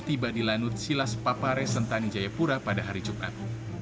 tiba di lanut silas papare sentani jayapura pada hari jumat